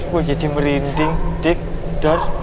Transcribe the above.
gue jadi merinding dik dar